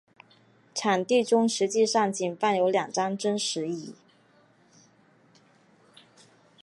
场地中实际上仅放有两张真实椅。